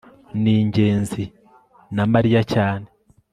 ni ngenzi na mariya cyane